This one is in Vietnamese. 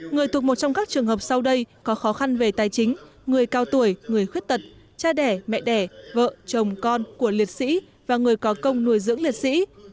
người thuộc một trong các trường hợp sau đây có khó khăn về tài chính người cao tuổi người khuyết tật cha đẻ mẹ đẻ vợ chồng con của liệt sĩ và người có công nuôi dưỡng liệt sĩ